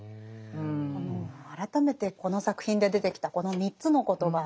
改めてこの作品で出てきたこの３つの言葉。